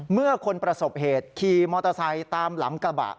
เมื่อคนประสบเหตุขี่มอเตอร์ไซค์ตามหลังกระบะ